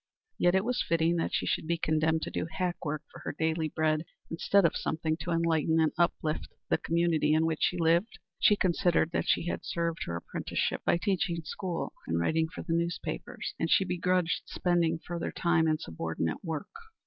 Yet was it fitting that she should be condemned to do hack work for her daily bread instead of something to enlighten and uplift the community in which she lived? She considered that she had served her apprenticeship by teaching school and writing for the newspapers, and she begrudged spending further time in subordinate work.